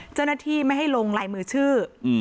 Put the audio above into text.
เจ้าหน้าที่ไม่ให้ลงลายมือชื่อ